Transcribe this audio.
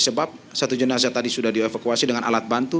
sebab satu jenazah tadi sudah dievakuasi dengan alat bantu